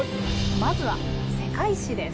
まずは「世界史」です。